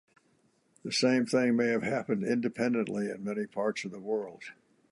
The same thing may have happened independently in many parts of the world.